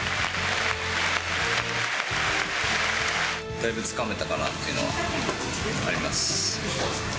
だいぶつかめたかなっていうのはあります。